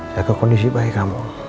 jaga kondisi baik kamu